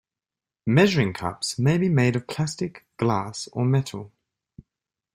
Measuring cups may be made of plastic, glass, or metal.